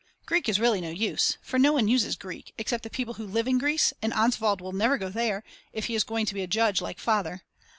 Greek is really no use; for no one uses Greek, except the people who live in Greece and Oswald will never go there, if he is going to be a judge like Father.